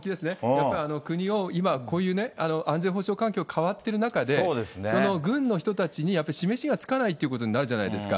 やっぱり国を今、こういうね、安全保障環境変わってる中で、その軍の人たちにやっぱりしめしがつかないということになるじゃないですか。